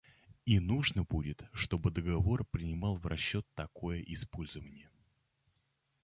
И нужно будет, чтобы договор принимал в расчет такое использование.